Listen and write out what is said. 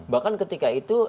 bahkan ketika itu